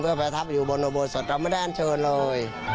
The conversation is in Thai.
ประทับอยู่บนอุโบสถเราไม่ได้อันเชิญเลย